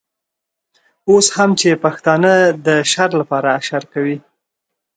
اوس هم چې پښتانه د شر لپاره اشر کوي.